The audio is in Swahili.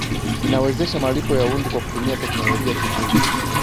inawezesha malipo ya hundi kwa kutumia teknolojia ya kivuli